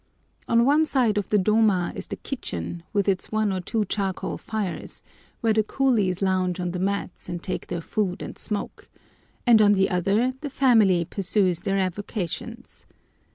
On one side of the doma is the kitchen, with its one or two charcoal fires, where the coolies lounge on the mats and take their food and smoke, and on the other the family pursue their avocations.